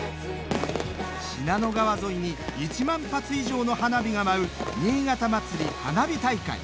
信濃川沿いに１万発以上の花火が舞う新潟まつり花火大会。